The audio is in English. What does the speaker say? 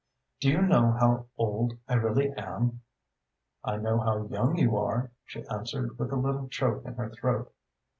Do you know how old I really am?" "I know how young you are," she answered, with a little choke in her throat.